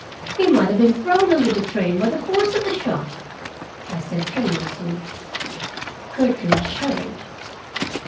"He might have been thrown under the train by the force of the shock," I said tremulously. Gertrude shuddered.